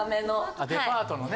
デパートのね。